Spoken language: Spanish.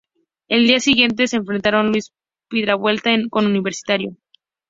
El día siguiente se enfrentaron Luis Piedrabuena con Universitario.